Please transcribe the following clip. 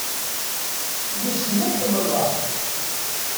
Wisen ma tḥemmleḍ-aɣ?